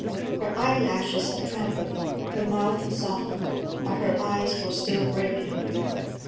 Her eyelashes trembled, her mouth softened, but her eyes were still brilliant.